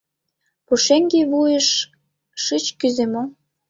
«Пушеҥге вуйыш шыч кӱзӧ мо?»